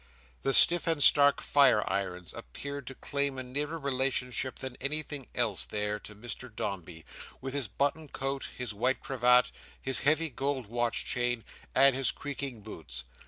The stiff and stark fire irons appeared to claim a nearer relationship than anything else there to Mr Dombey, with his buttoned coat, his white cravat, his heavy gold watch chain, and his creaking boots.